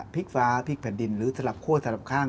กฟ้าพลิกแผ่นดินหรือสลับคั่วสลับข้าง